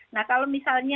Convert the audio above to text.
nah kalau misalnya